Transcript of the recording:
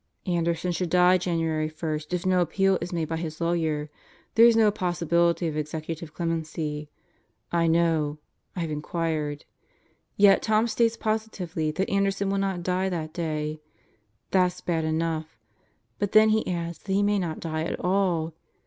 "Anderson should die January 1 if no appeal is made by his lawyers. There's no possibility of executive clemency. I know I've inquired. Yet Tom states positively that Anderson will not die that day. That's bad enough, but then he adds that he may not die at all.